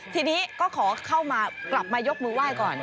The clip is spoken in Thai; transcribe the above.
ทีนี้ก็ขอเข้ามากลับมายกมือไหว้ก่อน